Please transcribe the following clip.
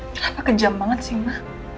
kenapa kejam banget sih mak